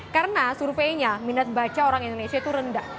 karena surveinya minat baca orang indonesia itu rendah